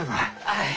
はい。